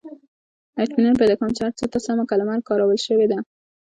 • اطمینان پیدا کوم، چې هر څه ته سمه کلمه کارول شوې ده.